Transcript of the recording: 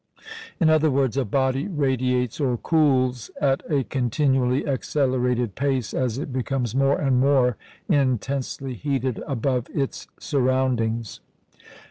In other words, a body radiates or cools at a continually accelerated pace as it becomes more and more intensely heated above its surroundings.